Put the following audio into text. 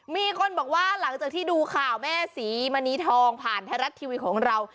มีคนบอกว่าหลังจากที่ดูข่าวแม่ศรีมณีทองผ่านไทยรัฐทีวีของเรา